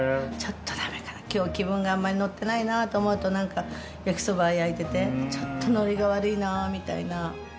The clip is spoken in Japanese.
ちょっとダメかな今日気分があんまりのってないなぁと思うと焼きそば焼いててちょっとノリが悪いなぁみたいな。